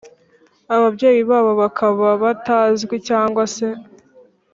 ababyeyi babo bakaba batazwi cyangwa se